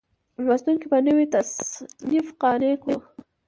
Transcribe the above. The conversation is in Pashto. لوستونکي په نوي تصنیف قانع کړو.